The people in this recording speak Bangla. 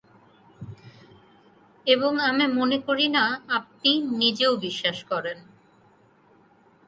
এবং আমি মনে করি না আপনি নিজেও বিশ্বাস করেন।